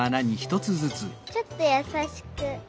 ちょっとやさしく。